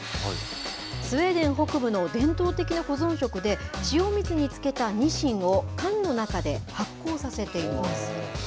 スウェーデン北部の伝統的な保存食で塩水に漬けたニシンを缶の中で発酵させています。